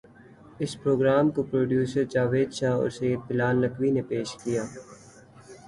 اس programme کو producer Javed Shah اور Syed Bilal Naqvi نے پیش کیا